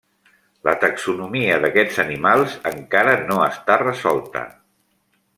La taxonomia d'aquests animals encara no està resolta.